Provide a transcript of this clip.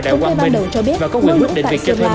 cũng như ban đầu cho biết mưa lũ tại sơn la